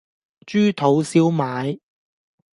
豬肚燒賣